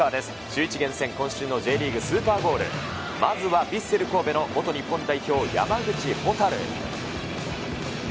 シューイチ厳選Ｊリーグスーパーゴール、まずはヴィッセル神戸の元日本代表、山口蛍。